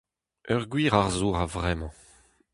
Ur gwir arzour a-vremañ.